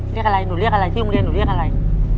เรียกอะไรหนูเรียกอะไรที่โรงเรียนหนูเรียกอะไร